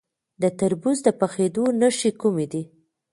د تربوز د پخیدو نښې کومې دي؟